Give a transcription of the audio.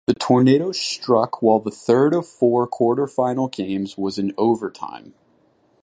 The tornado struck while the third of four quarterfinal games was in overtime.